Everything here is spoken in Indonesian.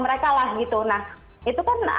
mereka lah gitu nah itu kan